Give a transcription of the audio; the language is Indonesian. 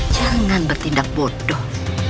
jangan bertindak bodoh